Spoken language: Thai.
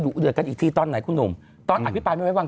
เดือดกันอีกทีตอนไหนคุณหนุ่มตอนอภิปรายไม่ไว้วาง